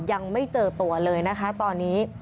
ยังไม่เจอตัวเลยนะคะตอนนี้